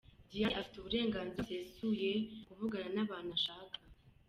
Diane afite uburenganzira busesuye kuvugana n’abantu ashaka.